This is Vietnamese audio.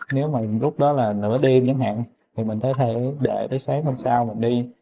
nếu mà lúc đó là nửa đêm chẳng hạn thì mình thấy để tới sáng hôm sau mình đi